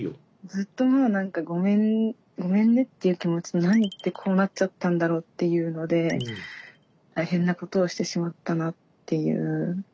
ずっともう何かごめんねという気持ちと何でこうなっちゃったんだろうっていうので大変なことをしてしまったなっていう。